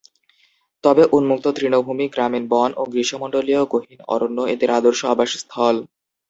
তবে উন্মুক্ত তৃণভূমি, গ্রামীণ বন ও গ্রীষ্মমণ্ডলীয় গহীন অরণ্য এদের আদর্শ আবাসস্থল।